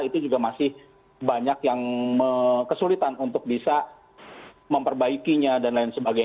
itu juga masih banyak yang kesulitan untuk bisa memperbaikinya dan lain sebagainya